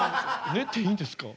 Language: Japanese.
ねていいんですか？